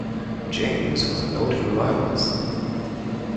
James was a noted revivalist.